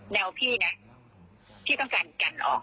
พี่นะพี่ต้องการกันออก